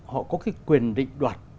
họ có cái quyền định đoạt